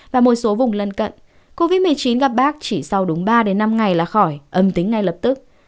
và một số vùng lân cận covid một mươi chín gặp bác chỉ sau đúng ba đến năm ngày là khỏi âm tính ngay lập tức